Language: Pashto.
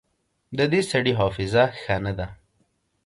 د دې سړي حافظه ښه نه ده